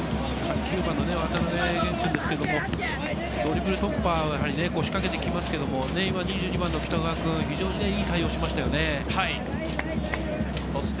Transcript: ９番の渡辺弦君ですけど、ドリブル突破はね、仕掛けてきますけど、今、２２番・北川君、非常にいい対応をしましたね。